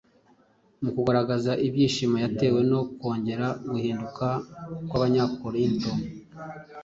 Mu kugaragaza ibyishimo yatewe no kongera guhinduka kw’Abanyakorinto